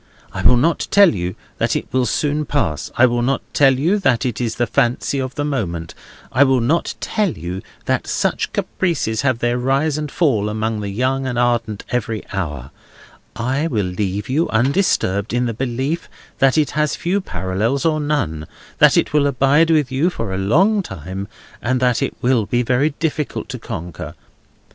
I will not tell you that it will soon pass; I will not tell you that it is the fancy of the moment; I will not tell you that such caprices have their rise and fall among the young and ardent every hour; I will leave you undisturbed in the belief that it has few parallels or none, that it will abide with you a long time, and that it will be very difficult to conquer.